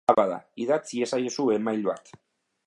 Hala bada, idatz iezaiezu email bat.